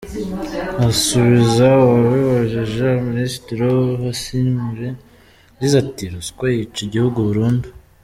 Asubiza uwabibajije, Minisitiri Busingye yagize ati,"Ruswa yica igihugu burundu.